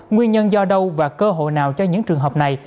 nguyên nhân do đâu và cơ hội nào cho những trường hợp này